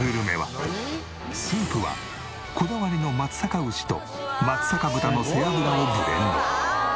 スープはこだわりの松阪牛と松阪豚の背脂をブレンド。